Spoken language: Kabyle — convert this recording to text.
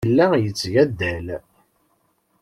Yella yetteg addal.